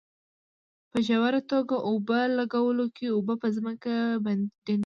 په ژوره توګه اوبه لګولو کې اوبه په ځمکه کې ډنډېږي.